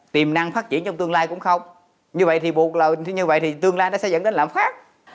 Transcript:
tiềm năng phát triển trong tương lai cũng không như vậy thì buộc là như vậy thì tương lai nó sẽ dẫn đến lãng phát